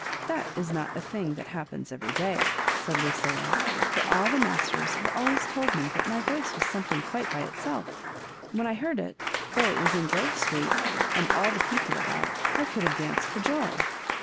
That is not a thing that happens every day," said Lucilla, "for all the masters have al ways told me that my voice was something quite by itself When I heard it, though it was in Grove Street, and all the people about, I could have danced for joy."